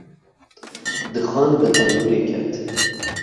Dixan bi tenûrê ket.